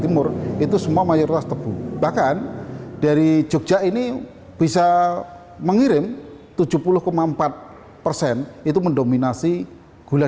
timur itu semua mayoritas tebu bahkan dari jogja ini bisa mengirim tujuh puluh empat persen itu mendominasi gula